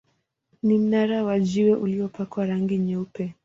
Ni mnara wa jiwe uliopakwa rangi nyeupe.